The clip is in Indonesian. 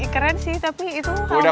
keren sih tapi itu kalau aku sayang mana